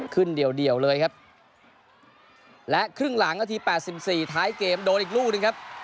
ขึ้นเดียวเลยครับและครึ่งหลังก็ที๘๔ท้ายเกมโดนอีกลูกหนึ่งครับ